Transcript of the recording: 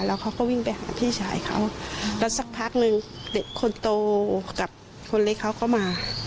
แล้วเขาก็วิ่งไปหาพี่ชายเขาแล้วสักพักนึงเด็กคนโตกับคนเล็กเขาก็มา